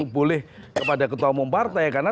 boleh kepada ketua umum partai karena